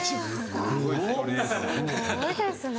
すごいですね。